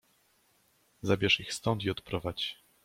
"Zabierz ich stąd i odprowadź!"